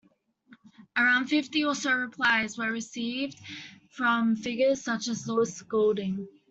Around fifty or so replies were received from figures such as Louis Golding.